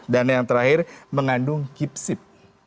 dan yang terakhir mengandung kipsip